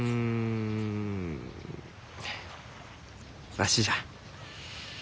わしじゃ。